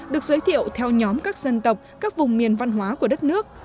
được giới thiệu theo nhóm các dân tộc các vùng miền văn hóa của đất nước